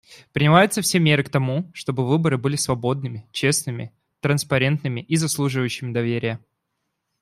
Принимаются все меры к тому, чтобы выборы были свободными, честными, транспарентными и заслуживающими доверия.